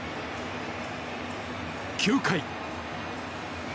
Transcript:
９回。